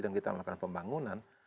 dan kita melakukan pembangunan